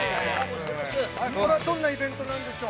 ◆どんなイベントなんでしょう。